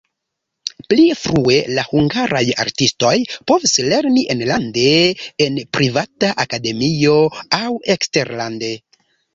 Pli frue la hungaraj artistoj povis lerni enlande en privata akademio aŭ eksterlande.